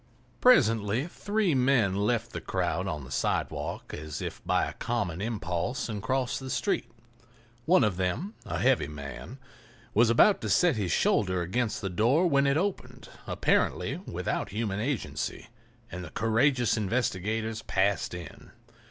Presently three men left the crowd on the sidewalk as if by a common impulse and crossed the street. One of them, a heavy man, was about to set his shoulder against the door when it opened, apparently without human agency, and the courageous investigators passed in.